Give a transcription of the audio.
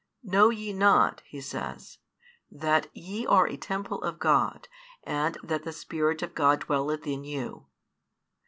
Know ye not, he says, that ye are a temple of God, and that the Spirit of God dwelleth in you?